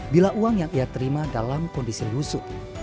bila uang yang ia terima dalam kondisi lusuk